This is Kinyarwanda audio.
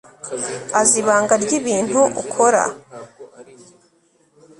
Azi ibanga ryibintu ukora